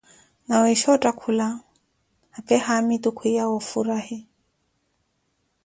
Nawisha otthakula, apee haamitu kwiiya wa ofurahi.